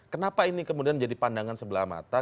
kenapa ini kemudian jadi pandangan sebelah mata